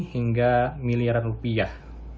hingga miliaran rupiah